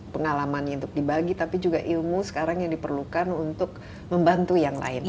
pengalamannya untuk dibagi tapi juga ilmu sekarang yang diperlukan untuk membantu yang lain